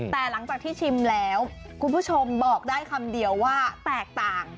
แต่หลังจากที่ชิมแล้วคุณผู้ชมบอกได้คำเดียวว่าแตกต่าง